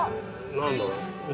何だろう？